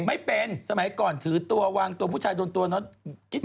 ไม่เป็นสมัยก่อนถือตัววางตัวผู้ชายโดนตัวเนอะ